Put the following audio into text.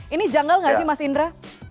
ini janggal nggak sih mas indra